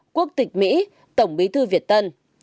quốc tịch mỹ tổng bí thư việt tân